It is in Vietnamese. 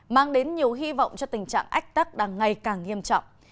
mang đến nhiều hy vọng cho tình trạng ách tắc đang ngày càng nghiêm trọng